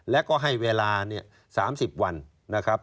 และก็ให้เวลา๓๐วันนะครับ